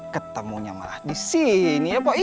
ketemunya malah di sini ya po'i